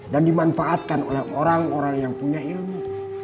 dan dimanfaatkan oleh orang orang yang punya ilmu